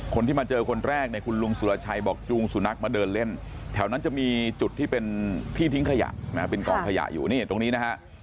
คนที่มาเจอคนแรกเนี่ยคุณลุงสุรชัยบอกจูงสุนัขมาเดินเล่นแถวนั้นจะมีจุดที่เป็นที่ทิ้งขยะนะเป็นกองขยะอยู่นี่ตรงนี้นะฮะ